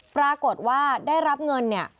ปรากฏว่าได้รับเงินเนี่ย